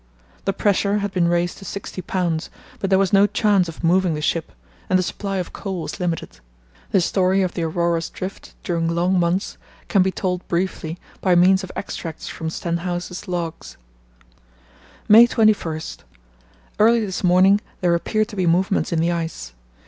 The pressure had been raised to sixty pounds, but there was no chance of moving the ship, and the supply of coal was limited. The story of the Aurora's drift during long months can be told briefly by means of extracts from Stenhouse's log: "May 21.—Early this morning there appeared to be movements in the ice.